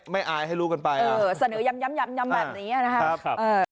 อายให้รู้กันไปเออเสนอย้ำแบบนี้นะครับ